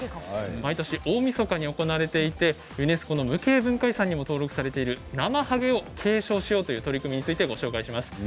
毎年、大みそかに行われていてユネスコの無形文化遺産にも登録されているなまはげを継承しようという取り組みについてご紹介します。